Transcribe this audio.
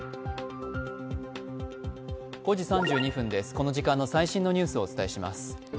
この時間の最新のニュースをお伝えします。